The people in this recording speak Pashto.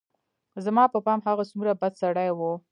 زما په پام هغه څومره بد سړى و.